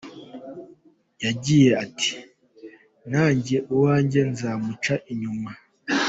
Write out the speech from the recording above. Yagiye ati “Nanjye uwanjye nzamuca inyuma.